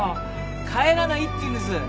帰らないって言うんです。